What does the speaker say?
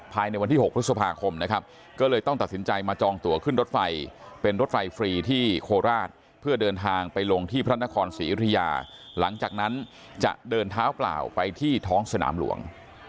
ภายในวันที่๖พฤษภาคมนะครับก็เลยต้องตัดสินใจมาจองตัวขึ้นรถไฟเป็นรถไฟฟรีที่โคราชเพื่อเดินทางไปลงที่พระนครศรีอยุธยาหลังจากนั้นจะเดินเท้าเปล่าไปที่ท้องสนามหลวง